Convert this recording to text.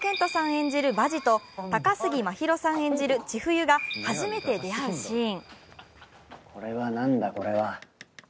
演じる場地と高杉真宙さん演じる千冬が初めて出会うシーン。